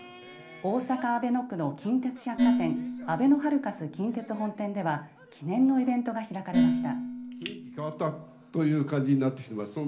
大阪阿倍野区の近鉄百貨店あべのハルカス近鉄本店では記念のイベントが開かれました。